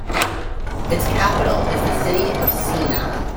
Its capital is the city of Siena.